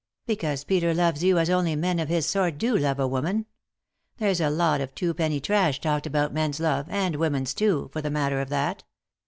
"Because Peter loves you as only men of his sort do love a woman. There's a lot of twopenny trash talked about men's love, and women's, too, for the matter of that.